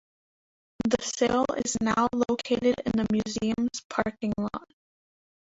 The sail is now located in the museums parking lot.